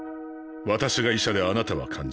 私が医者であなたは患者。